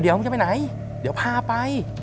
เดี๋ยวมึงจะไปไหนเดี๋ยวพาไป